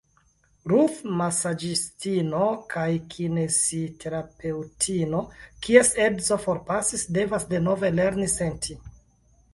Ruth, masaĝistino kaj kinesiterapeŭtino kies edzo forpasis, devas denove lerni senti.